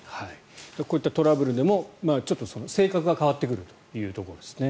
こういったトラブルでも性格が変わってくるというところですね。